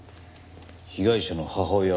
被害者の母親